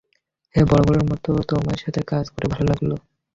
হেই, বরাবরের মতোই তোমার সাথে কাজ করে ভালো লাগলো।